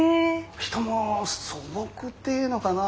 人も素朴っていうのかな。